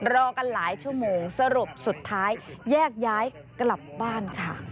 รอกันหลายชั่วโมงสรุปสุดท้ายแยกย้ายกลับบ้านค่ะ